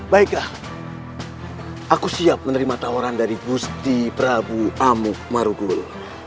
baiklah aku siap menerima tawaran dari gusti prabu amuk marugul